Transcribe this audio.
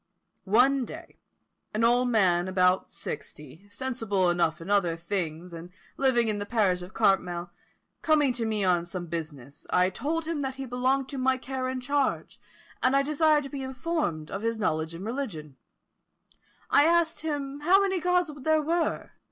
One day, an old man about sixty, sensible enough in other things, and living in the parish of Cartmel, coming to me on some business, I told him that he belonged to my care and charge, and I desired to be informed of his knowledge in religion. I asked him how many Gods there were?